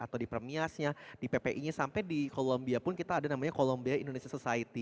atau di premiasnya di ppi nya sampai di kolombia pun kita ada namanya columbia indonesia society